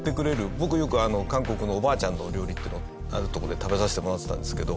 僕よく韓国のおばあちゃんのお料理っていうのをある所で食べさせてもらってたんですけど。